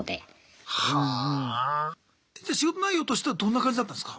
じゃ仕事内容としてはどんな感じだったんすか？